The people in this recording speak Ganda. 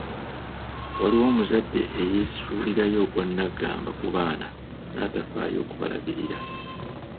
Waliwo omuzadde eyeesuulirayo ogwa naggamba ku baana natafaayo kubalabiririra.